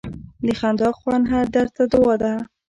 د خندا خوند هر درد ته دوا ده.